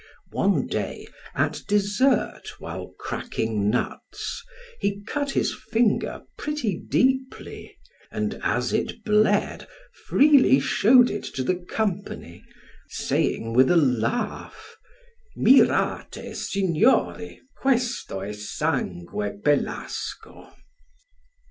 One day, at dessert while cracking nuts, he cut his finger pretty deeply, and as it bled freely showed it to the company, saying with a laugh, "Mirate, signori; questo a sangue Pelasgo."